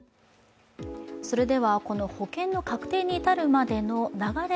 それではこの保険の確定に至るまでの流れ